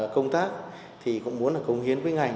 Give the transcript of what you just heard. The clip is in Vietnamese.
công tác thì cũng muốn là công hiến với ngành